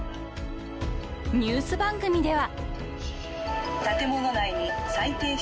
［ニュース番組では］